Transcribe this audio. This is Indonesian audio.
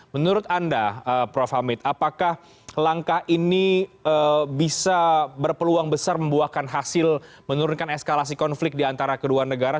menurut anda prof hamid apakah langkah ini bisa berpeluang besar membuahkan hasil menurunkan eskalasi konflik di antara kedua negara